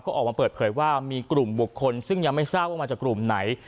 ก็ออกมาเปิดเผยว่ามีกลุ่มบุคคลซึ่งยังไม่ทราบว่ามาจากกลุ่มไหน